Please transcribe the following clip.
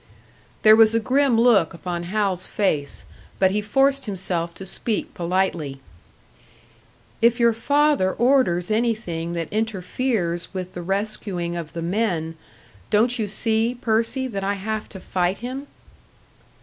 There was a grim look upon Hal's face, but he forced himself to speak politely. "If your father orders anything that interferes with the rescuing of the men don't you see, Percy, that I have to fight him?"